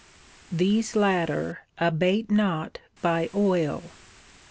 These latter abate not by oil.